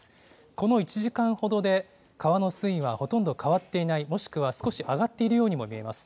この１時間ほどで川の水位はほとんど変わっていない、もしくは少し上がっているようにも見えます。